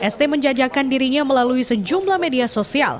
st menjajakan dirinya melalui sejumlah media sosial